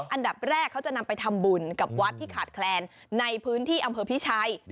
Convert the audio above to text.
อันดับแรกเขาจะนำไปทำบุญกับวัดที่ขาดแคลนในพื้นที่อำเภอพิชัย